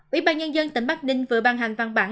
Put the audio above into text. ủy ban nhân dân tỉnh bắc ninh vừa ban hành văn bản